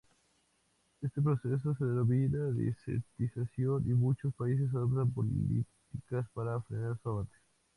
Este proceso se denomina desertización y muchos países adoptan políticas para frenar su avance.